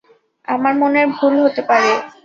আমার মনের ভুল হতে পারে।